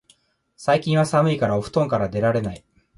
最近は寒いからお布団から出られない